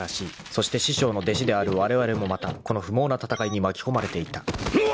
［そして師匠の弟子であるわれわれもまたこの不毛な戦いに巻き込まれていた］